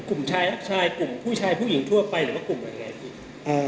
กลุ่มชายรักชายกลุ่มผู้ชายผู้หญิงทั่วไปหรือว่ากลุ่มอะไรอีก